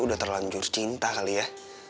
udah terlanjur cinta kali ya